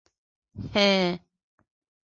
— Һе-е...